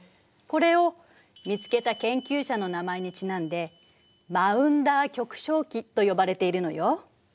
これを見つけた研究者の名前にちなんでマウンダー極小期と呼ばれているのよ。